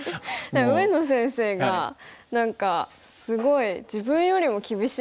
上野先生が何かすごい自分よりも厳しいっておっしゃって。